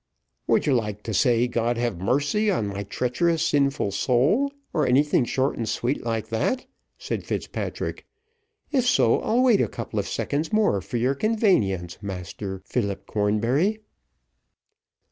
"Would you like to say, 'God have mercy on my treacherous sinful sowl,' or anything short and sweet like that?" said Fitzpatrick; "if so, I'll wait a couple of seconds more for your convanience, Philip Cornbury."